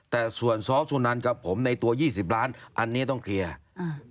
แต่ส่วนซ้อสุนันกับผมในตัวยี่สิบล้านอันนี้ต้องเคลียร์อ่า